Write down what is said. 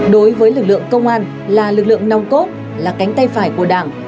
đối với lực lượng công an là lực lượng nòng cốt là cánh tay phải của đảng